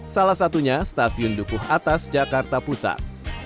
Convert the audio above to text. salah satunya stasiun dukuh atas jakarta pusat